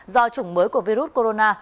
do chủng mới của virus corona